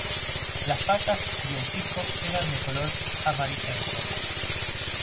Las patas y el pico eran de color amarillento.